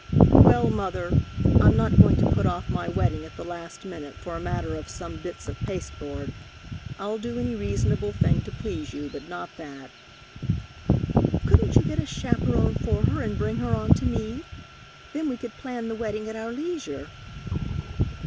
"Well, Mother, I'm not going to put off my wedding at the last minute for a matter of some bits of pasteboard. I'll do any reasonable thing to please you, but not that." "Couldn't you get a chaperon for her, and bring her on to me? Then we could plan the wedding at our leisure."